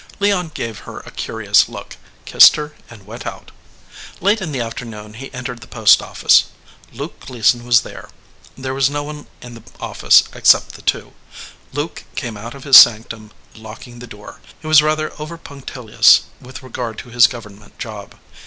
Leon gave her a curious look, kissed her and went out. Late in the afternoon he entered the post office. Luke Gleason was there. There was 173 EDGEWATER PEOPLE no one in the office except the two. Luke came out of his sanctum, locking the door. He was rather over punctilious with regard to his Govern ment job.